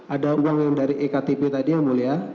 ada uang yang dari ektp tadi yang mulia